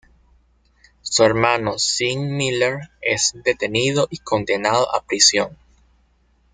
Su hermano Sean Miller es detenido y condenado a prisión.